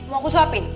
mau aku suapin